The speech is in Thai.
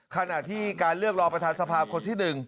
ขณะที่การเลือกรอประธานสภาคนที่๑